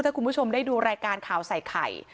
ถ้าคุณผู้ชมได้ดูรายการข่าวใส่ไข่